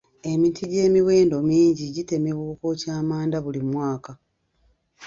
Emiti egy'omuwendo mingi gitemebwa okwokya amanda buli mwaka.